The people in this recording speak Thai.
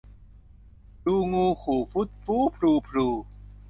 ดูงูขู่ฝูดฝู้ พรูพรู